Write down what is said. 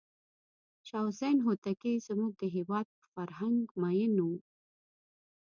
شاه حسین هوتکی زموږ د هېواد په فرهنګ مینو و.